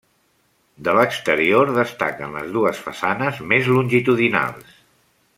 De l'exterior destaquen les dues façanes més longitudinals.